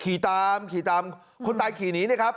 ขี่ตามขี่ตามคนตายขี่หนีนะครับ